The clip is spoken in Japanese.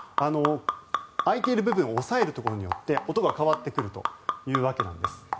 開いている部分を押さえることによって音が変わってくるというわけです。